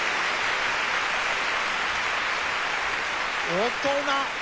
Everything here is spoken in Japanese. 大人！